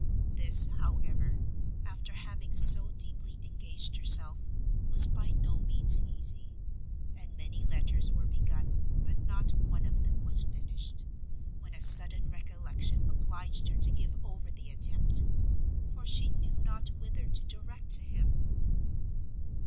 This, however, after having so deeply engaged herself, was by no means easy; and many letters were begun, but not one of them was finished, when a sudden recollection obliged her to give over the attempt, for she knew not whither to direct to him.